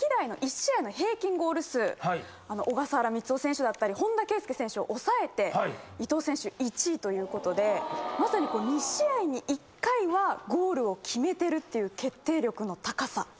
小笠原満男選手だったり本田圭佑選手を抑えて伊東選手１位ということでまさに２試合に１回はゴールを決めてるっていう決定力の高さ。